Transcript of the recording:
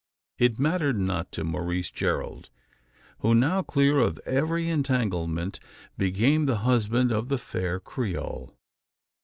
It mattered not to Maurice Gerald; who, now clear of every entanglement, became the husband of the fair Creole.